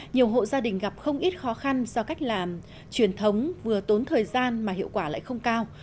nhiều hộ gia đình gặp không ít khó khăn do cách làm truyền thống vừa tốn thời gian mà hiệu quả lại không cao